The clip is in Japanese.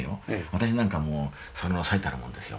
私なんかもうその最たるもんですよ。